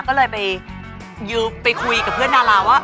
ก็เลยไปคุยกับเพื่อนดาราว่า